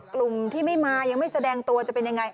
กลุ่มที่ไม่มายังไม่แสดงตัวจะเป็นยังไง